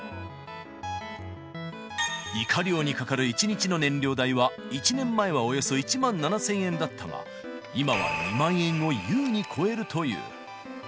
イカ漁にかかる１日の燃料代は、１年前はおよそ１万７０００円だったが、今は２万円を優に超えるという。